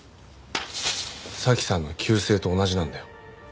早紀さんの旧姓と同じなんだよ。